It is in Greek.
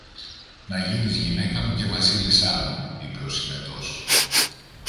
Να γίνεις γυναίκα μου και Βασίλισσά μου, είπε ο Συνετός.